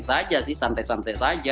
saja sih santai santai saja